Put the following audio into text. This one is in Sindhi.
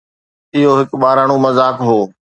اهو هڪ ٻاراڻو مذاق هو